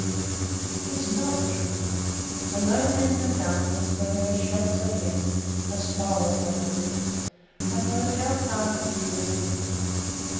It is not true! Alone there in the darkness Maria shakes her head, a smile upon her lips, and knows how far from true it is.